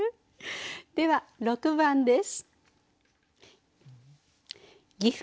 では６番です。